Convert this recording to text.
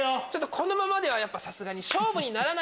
このままではさすがに。